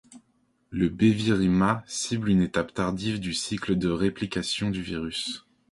Le bevirimat cible une étape tardive du cycle de réplication du virus.